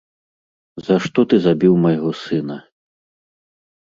За што ты забіў майго сына?